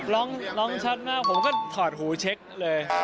ร้องชัดมากผมก็ถอดหูเช็คเลย